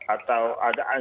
atau ada ancaman